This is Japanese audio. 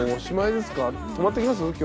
泊まっていきます？